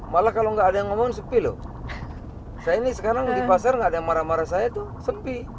malah kalau nggak ada yang ngomong sepi loh saya ini sekarang di pasar nggak ada yang marah marah saya tuh sepi